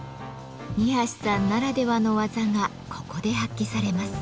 二さんならではの技がここで発揮されます。